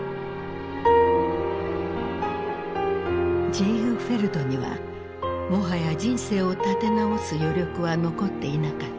ジーグフェルドにはもはや人生を立て直す余力は残っていなかった。